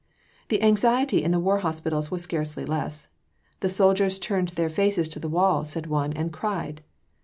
The anxiety in the War Hospitals was scarcely less. "The soldiers turned their faces to the wall," said one, "and cried."